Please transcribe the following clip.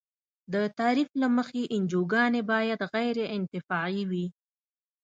د تعریف له مخې انجوګانې باید غیر انتفاعي وي.